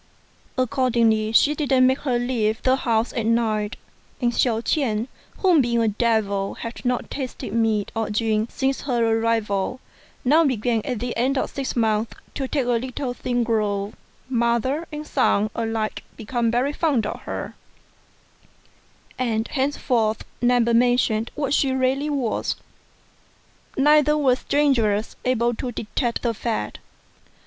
Accordingly, she didn't make her leave the house at night; and Hsiao ch'ien, who being a devil had not tasted meat or drink since her FROM A CHINESE STUDIO. 133 arrival, 3 now began at the end of six months to take a little thin gruel. Mother and son alike became very fond of her, and henceforth never mentioned what she really was; neither were strangers able to detect the fact.